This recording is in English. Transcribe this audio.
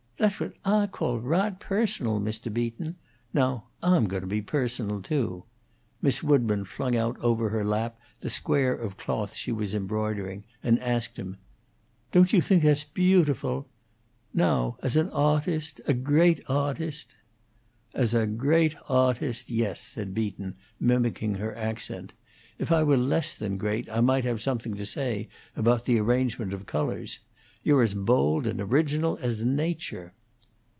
"That's what Ah call raght personal, Mr. Beaton. Now Ah'm goin' to be personal, too." Miss Woodburn flung out over her lap the square of cloth she was embroidering, and asked him: "Don't you think that's beautiful? Now, as an awtust a great awtust?" "As a great awtust, yes," said Beaton, mimicking her accent. "If I were less than great I might have something to say about the arrangement of colors. You're as bold and original as Nature."